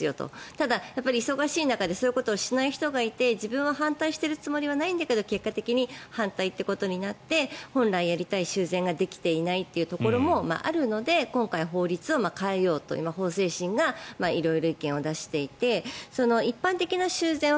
ただ、忙しい中でそういうことをしない人がいて自分は反対しているつもりはないんだけど結果的に反対ということになって本来やりたい修繕ができていないというところもあるので今回法律を変えようと今、法制審が色々意見を出していて一般的な修繕を